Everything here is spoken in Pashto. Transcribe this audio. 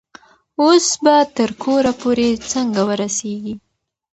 اوس به تر کوره پورې څنګه ورسیږي؟